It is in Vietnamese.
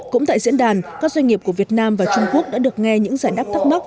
cũng tại diễn đàn các doanh nghiệp của việt nam và trung quốc đã được nghe những giải đáp thắc mắc